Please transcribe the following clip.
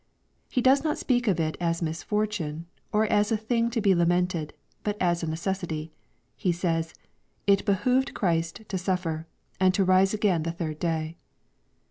He does not speak of it as a misfortune, or as a thing to be lainented, but as a necessity. Hesays^'It behoved Christ to suffer, and to rise again the third day."